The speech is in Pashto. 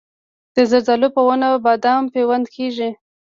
د زردالو په ونه بادام پیوند کیږي؟